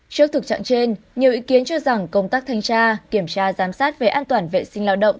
trước thực trạng trên nhiều ý kiến cho rằng công tác thanh tra kiểm tra giám sát về an toàn vệ sinh lao động